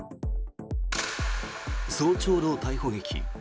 早朝の逮捕劇。